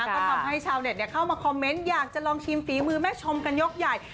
ก็ทำให้ชาวเน็ตเข้ามาคอมเมนต์อยากจะลองชิมฝีมือแม่ชมกันยกใหญ่